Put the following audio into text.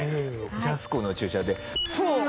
ジャスコの駐車場でフォーン！